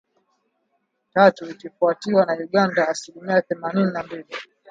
Tatu, ikifuatiwa na Uganda (asilimia themanini na mbili.